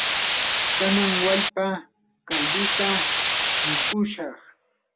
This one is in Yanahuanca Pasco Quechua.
kanan wallpa kalduta mikushaq.